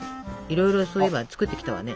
いろいろそういえば作ってきたわね。